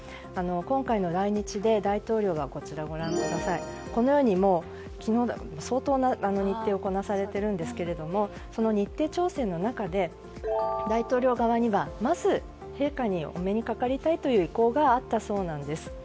今回の来日で大統領がこのように相当な日程をこなされているんですがその日程調整の中で大統領側にはまず陛下にお目にかかりたいという意向があったそうです。